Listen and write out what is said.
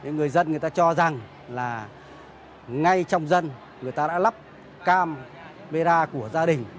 người dân người ta cho rằng là ngay trong dân người ta đã lắp camera của gia đình